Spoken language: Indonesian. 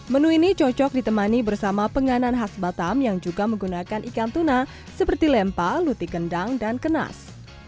menu ini cocok ditemani bersama penganan khas batam yang juga menggunakan ikan tuna seperti lempa luti kendang dan kenas